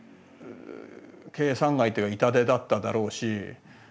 計算外というか痛手だっただろうし。